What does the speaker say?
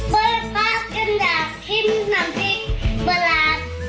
ก็ละพักกันจากที่น้ำพริกประหลาด